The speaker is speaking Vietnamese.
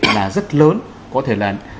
là rất lớn có thể là